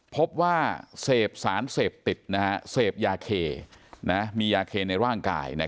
พบว่าเสพสารเสพติดเสพยาเคมียาเคในร่างกาย